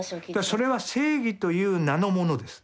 それは正義という名のものです。